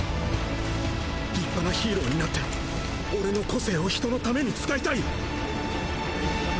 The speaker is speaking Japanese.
立派なヒーローになって俺の個性を人の為に使いたい